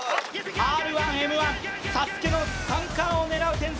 「Ｒ−１」、「Ｍ−１」、「ＳＡＳＵＫＥ」の三冠を狙う天才。